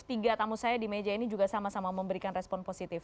tiga tamu saya di meja ini juga sama sama memberikan respon positif